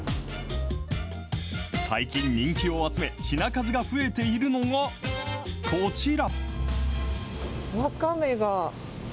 最近人気を集め、品数が増えているのが、こちら。